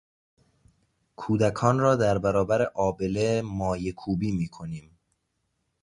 کودکان را در برابر آبله مایه کوبی میکنیم.